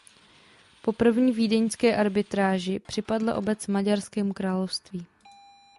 Po První vídeňské arbitráži připadla obec Maďarskému království.